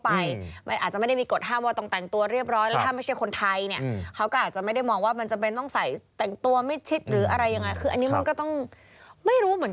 เพราะว่าเสื้อผ้าการแต่งกายมันคือลูกค้าเป็นคนแต่งเข้าไป